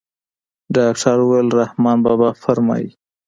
ډاکتر وويل رحمان بابا فرمايي.